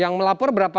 yang melapor berapa